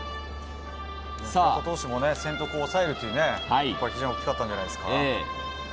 平田投手も、先頭を抑えたっていうのは大きかったんじゃないですか？